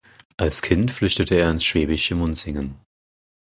Als Kind flüchtete er ins schwäbische Munzingen.